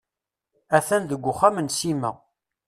A-t-an deg uxxam n Sima.